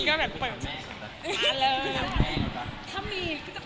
มากยอมรับว่ามาก